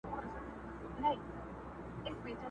ښکلي آواز دي زما سړو وینو ته اور ورکړی٫